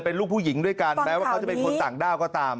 เป็นลูกผู้หญิงด้วยกันแม้ว่าเขาจะเป็นคนต่างด้าวก็ตาม